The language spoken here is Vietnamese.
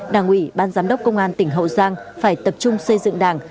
đảng ủy ban giám đốc công an tỉnh hậu giang phải tập trung xây dựng đảng